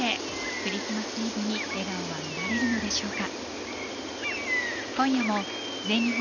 クリスマスイブに笑顔は見られるのでしょうか。